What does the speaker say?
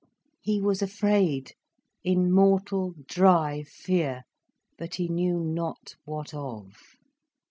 He was afraid, in mortal dry fear, but he knew not what of.